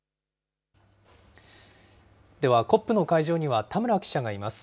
ではＣＯＰの会場には、田村記者がいます。